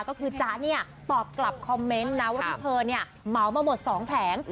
ก็คือจะตอบกลับคอมเมนต์นะว่าที่เธอเหมาะมาหมด๒แผง